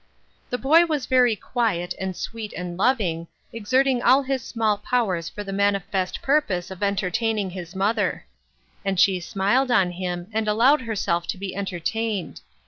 The boy was very quiet and sweet and loving, exerting all his small powers for the manifest purpose of entertaining his mother ; and she smiled on him, and allowed herself to be enter tained.